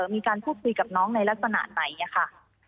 มีการพูดคุยกับน้องในลักษณะไหนค่ะ